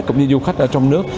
cũng như du khách ở trong nước